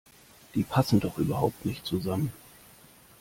Die passen doch überhaupt nicht zusammen!